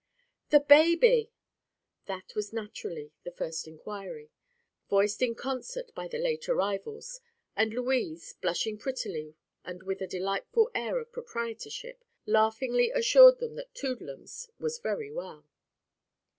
"The baby!" That was naturally the first inquiry, voiced in concert by the late arrivals; and Louise, blushing prettily and with a delightful air of proprietorship, laughingly assured them that "Toodlums" was very well.